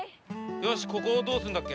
よしここをどうするんだっけ？